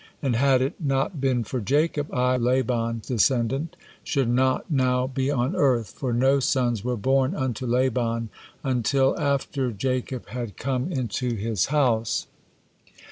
And had it not been for Jacob, I, Laban's descendant, should not now be on earth, for no sons were born unto Laban until after Jacob had come into his house.